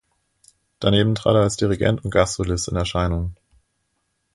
Daneben trat er als Dirigent und Gastsolist in Erscheinung.